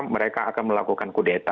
mereka akan melakukan kudeta